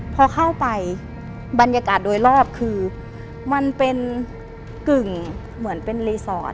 พอเข้าไปบรรยากาศโดยรอบคือมันเป็นกึ่งเหมือนเป็นรีสอร์ท